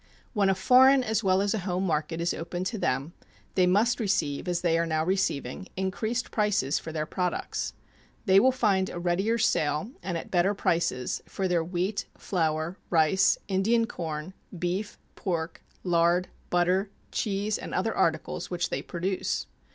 When a foreign as well as a home market is opened to them, they must receive, as they are now receiving, increased prices for their products. They will find a readier sale, and at better prices, for their wheat, flour, rice, Indian corn, beef, pork, lard, butter, cheese, and other articles which they produce.